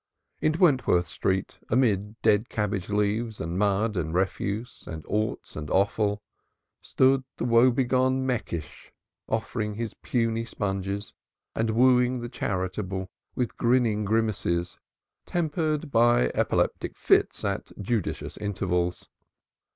In Wentworth Street, amid dead cabbage leaves, and mud, and refuse, and orts, and offal, stood the woe begone Meckisch, offering his puny sponges, and wooing the charitable with grinning grimaces tempered by epileptic fits at judicious intervals.